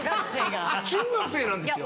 中学生なんですよ。